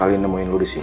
ada tamu sendiri pak